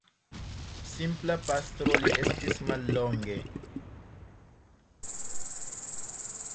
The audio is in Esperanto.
Simpla pastro li estis mallonge.